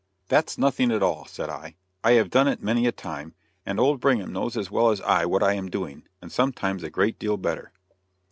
"That's nothing at all," said I; "I have done it many a time, and old Brigham knows as well as I what I am doing, and sometimes a great deal better."